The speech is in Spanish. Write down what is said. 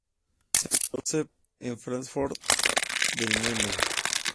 Joseph en Fráncfort del Meno.